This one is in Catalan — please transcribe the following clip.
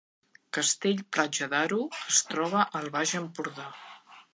Castell-Platja d’Aro es troba al Baix Empordà